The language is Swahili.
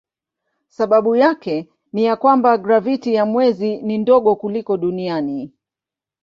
Sababu yake ni ya kwamba graviti ya mwezi ni ndogo kuliko duniani.